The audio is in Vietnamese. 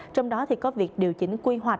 trong đó có việc điều chỉnh quy hoạch